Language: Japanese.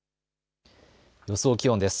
予想気温です。